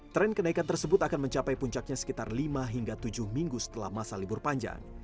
tren kenaikan tersebut akan mencapai puncaknya sekitar lima hingga tujuh minggu setelah masa libur panjang